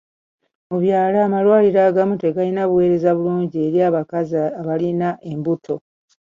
Mu byalo amalwaliro agamu tegalina buweereza bulungi eri abakazi abalina embuto.